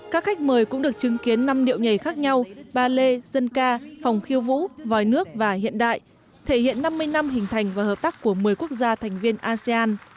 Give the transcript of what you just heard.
các khách mời cũng được chứng kiến năm điệu nhảy khác nhau ba lê dân ca phòng khiêu vũ vòi nước và hiện đại thể hiện năm mươi năm hình thành và hợp tác của một mươi quốc gia thành viên asean